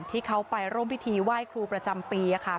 ที่เขาไปร่วมพิธีไหว้ครูประจำปีค่ะ